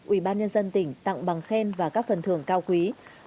ubnd tỉnh tặng bằng khen và các phần thưởng cao quý